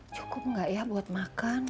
cukup nggak ya buat makan